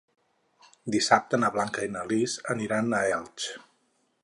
Dissabte na Blanca i na Lis aniran a Elx.